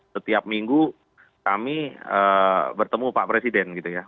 setiap minggu kami bertemu pak presiden gitu ya